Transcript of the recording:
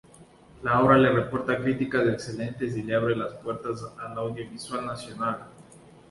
La obra le reporta críticas excelentes y le abre las puertas al audiovisual nacional.